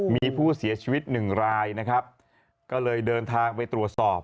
มีผู้เสียชวิตหนึ่งรายเลยเดินทางไปตรวจสอบ